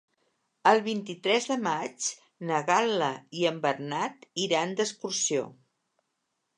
El vint-i-tres de maig na Gal·la i en Bernat iran d'excursió.